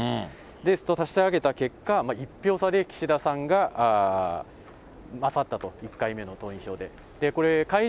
ですと、足し上げた結果、１票差で岸田さんが勝ったと、１回目の党員票で。